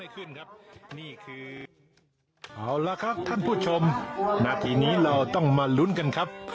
ขึ้นครับนี่คือเอาละครับท่านผู้ชมหน้าทีนี้เราต้องมาลุ้นกันครับ